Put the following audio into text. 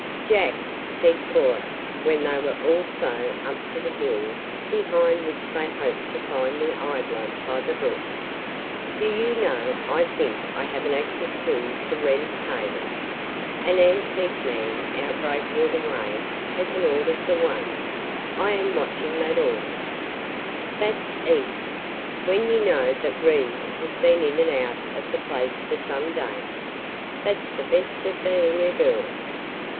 "Jack," said Cora, when they were also up to the hill behind which they hoped to find the idler by the brook, "do you know I think I have an actual clue to Wren's table. An antique man out Breakwater way has an order for one. I am watching that order." "That's easy. When you know that Reed has been in and out of the place for some days. That's the best of being a girl.